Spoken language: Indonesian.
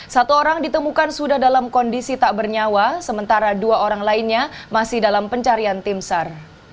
satu orang ditemukan sudah dalam kondisi tak bernyawa sementara dua orang lainnya masih dalam pencarian tim sar